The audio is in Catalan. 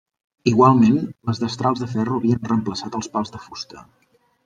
Igualment les destrals de ferro havien reemplaçat els pals de fusta.